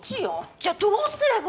じゃあどうすれば。